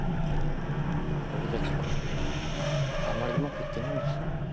俺たちあんまりうまくいってないんだ